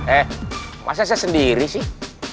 eh masa saya sendiri sih